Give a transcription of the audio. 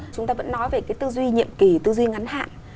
chúng ta vẫn nói về cái tư duy nhiệm kỳ tư duy ngắn hạn